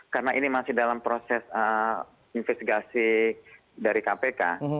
karena ini masih dalam proses investigasi dari kpk